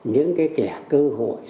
những cái kẻ cơ hội